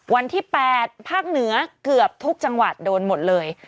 วันที่๘ภาคเหนือเกือบทุกจังหวัดโดนหมดเลย